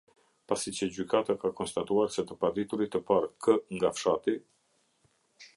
Pasi që gjykata ka konstatuar se të paditurit të parë K nga fshati.